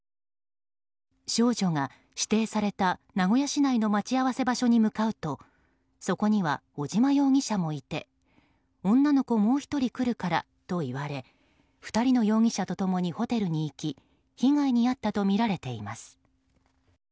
少女が指定された名古屋市内の待ち合わせ場所に向かうとそこには尾島容疑者もいて女の子もう１人来るからと言われ２人の容疑者と共にホテルに行き被害に遭ったとみられています。